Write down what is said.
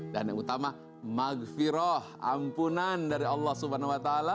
dan yang utama magfirah ampunan dari allah swt